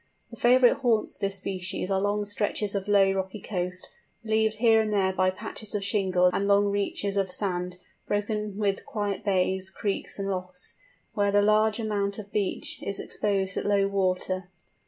The favourite haunts of this species are long stretches of low, rocky coast, relieved here and there by patches of shingle and long reaches of sand, broken with quiet bays, creeks, and lochs, where a large amount of beach is exposed at low water.